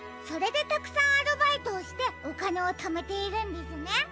それでたくさんアルバイトをしておかねをためているんですね。